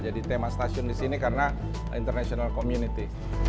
jadi tema stasiun di sini karena international community